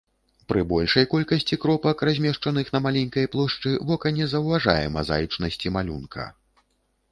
Пры большай колькасці кропак, размешчаных на маленькай плошчы, вока не заўважае мазаічнасці малюнка.